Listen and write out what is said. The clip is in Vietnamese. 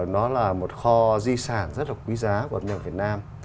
nó là một kho di sản rất là quý giá của nhà việt nam